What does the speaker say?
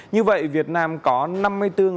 như vậy việt nam có năm mươi bốn ngày không ghi nhận